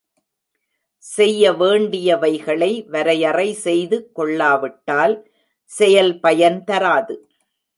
செய்யவேண்டியவைகளை வரையறை செய்து கொள்ளாவிட்டால், செயல் பயன்தராது.